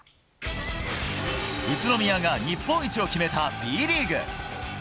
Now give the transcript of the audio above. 宇都宮が日本一を決めたＢリーグ。